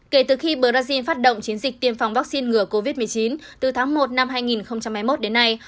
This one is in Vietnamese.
kể từ khi brazil phát động chiến dịch tiêm phòng vaccine ngừa covid một mươi chín từ tháng một năm hai nghìn hai mươi một đến nay